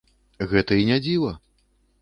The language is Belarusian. Гэта і не дзіва.